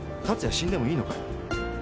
死んでもいいのかよ？